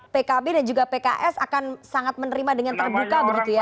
pkb dan juga pks akan sangat menerima dengan terbuka begitu ya